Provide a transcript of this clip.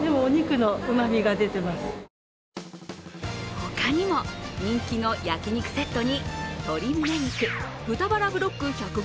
他にも人気の焼き肉セットに鶏胸肉、豚バラブロック１００ｇ